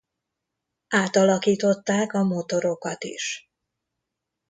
Átalakították a motorokat is.